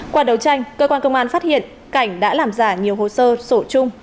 qua đấu tranh cơ quan công an phát hiện cảnh đã làm giả nhiều hồ sơ sổ chung